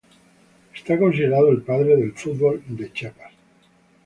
Es considerado el padre del fútbol en Chiapas.